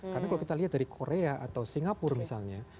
karena kalau kita lihat dari korea atau singapura misalnya